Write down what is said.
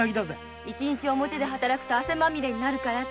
一日表で働くと汗まみれになるからってね。